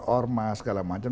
orma segala macam